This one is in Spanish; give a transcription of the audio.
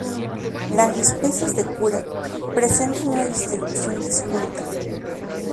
Las especies de "Cura" presentan una distribución disjunta.